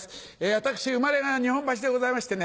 私生まれが日本橋でございましてね